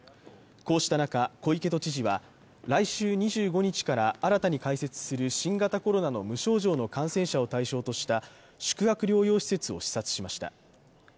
こうした中、小池都知事は来週２５日から新たに開設する新型コロナの無症状の感染者を対象とした宿泊療養施設を視察しました。